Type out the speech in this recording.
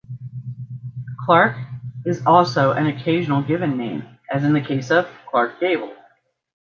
Clark is also an occasional given name, as in the case of Clark Gable.